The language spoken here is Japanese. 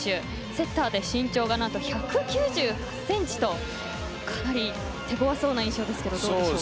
セッターで身長が何と１９８ｃｍとかなり手ごわそうな印象ですけどどうでしょうか？